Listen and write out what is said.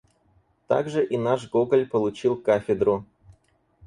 Также и наш Гоголь получил кафедру.